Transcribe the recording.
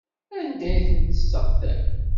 Anda ay tent-tesseɣtam?